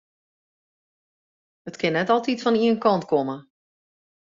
It kin net altyd fan ien kant komme.